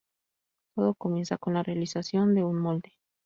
Todo comienza con la realización de un molde.